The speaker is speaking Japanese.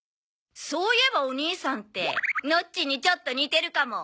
そういえばお義兄さんってノッチンにちょっと似てるかも。